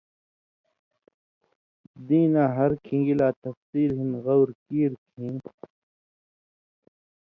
دِیناں ہر کِھن٘گی لا تفصیل ہِن غور کیر کھیں